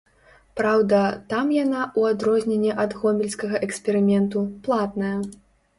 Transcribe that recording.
Праўда, там яна, у адрозненне ад гомельскага эксперыменту, платная.